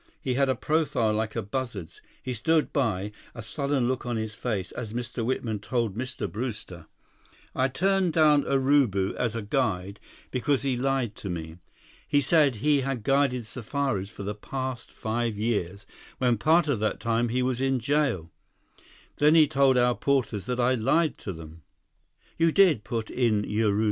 He had a profile like a buzzard's. He stood by, a sullen look on his face, as Mr. Whitman told Mr. Brewster: "I turned down Urubu as a guide because he lied to me. He said he had guided safaris for the past five years, when part of that time he was in jail. Then he told our porters that I lied to them—" "You did," put in Urubu.